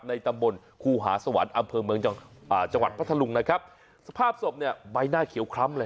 ตำบลครูหาสวรรค์อำเภอเมืองจังหวัดพัทธลุงนะครับสภาพศพเนี่ยใบหน้าเขียวคล้ำเลย